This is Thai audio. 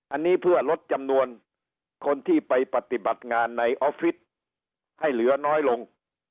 อันนี้เพื่อลดจำนวนคนที่ไปปฏิบัติงานในออฟฟิศให้เหลือน้อยลง